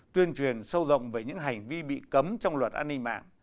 tuyên truyền sâu rộng về những hành vi bị cấm trong luật an ninh mạng